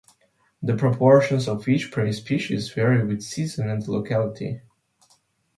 The proportions of each prey species vary with season and locality.